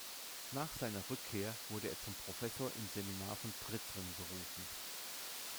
Nach seiner Rückkehr wurde er zum Professor im Seminar von Prizren berufen.